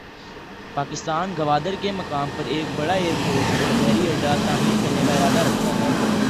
پاکستان گوادر کے مقام پر ایک بڑا ایئرپورٹ اور بحری اڈہ تعمیر کرنے کا ارادہ رکھتا ہے۔